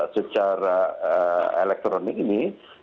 secara elektronik ini